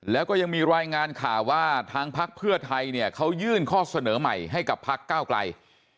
แล้วก็ยังมีรายงานข่าวว่าทางพักเพื่อไทยเนี่ยเขายื่นข้อเสนอใหม่ให้กับพักก้าวไกล